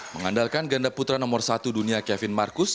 mengandalkan ganda putra nomor satu dunia